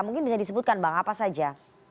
mungkin bisa disebutkan bang apa saja